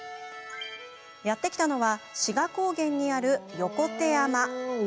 やって来たのは志賀高原にある横手山。